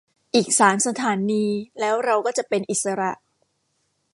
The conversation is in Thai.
อีกสามสถานีแล้วเราก็จะเป็นอิสระ